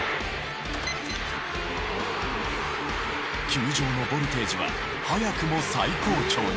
球場のボルテージは早くも最高潮に。